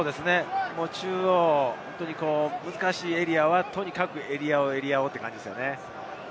中央、難しいエリアはとにかくエリアをエリアをという感じです。